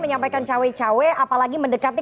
menyampaikan cawe cawe apalagi mendekati